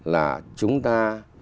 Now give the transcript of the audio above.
là chúng ta